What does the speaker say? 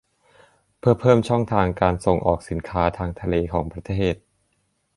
เพื่อเพิ่มช่องทางการส่งออกสินค้าทางทะเลของประเทศ